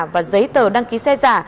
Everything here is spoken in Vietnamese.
và giấy tờ đăng ký xe giả